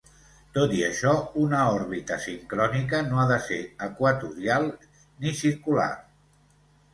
Tot i això, una òrbita sincrònica no ha de ser equatorial, ni circular.